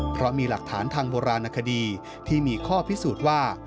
เพราะมีหลักฐานทางโบราณคดีที่มีข้อพิสูจน์ว่า